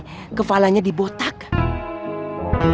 jadi kepalanya dibotakan